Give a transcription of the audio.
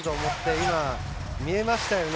今、見えましたよね。